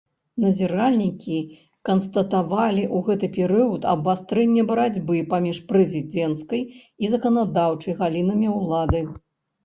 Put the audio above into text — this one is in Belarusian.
Назіральнікі канстатавалі ў гэты перыяд абвастрэнне барацьбы паміж прэзідэнцкай і заканадаўчай галінамі ўлады.